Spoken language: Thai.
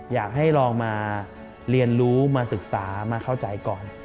อยากให้ลองมาเรียนรู้มาศึกษามาเข้าใจก่อน